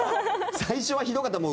最初はひどかったもん。